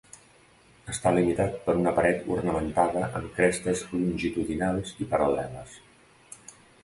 Està limitat per una paret ornamentada amb crestes longitudinals i paral·leles.